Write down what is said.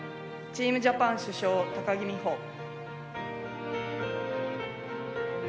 チームジャパン主将木美帆。